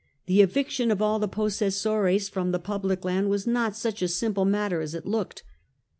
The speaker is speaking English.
The eviction of all the ;pos sessores from the public land was not such a simple matter as it looked.